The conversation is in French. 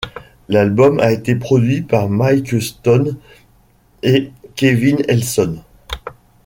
L'album a été produit par Mike Stone et Kevin Elson.